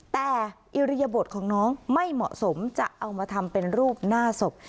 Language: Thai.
แต่อิริยบทของน้องไม่เหมาะสมจะเอามาทำเป็นรูปหน้าศพ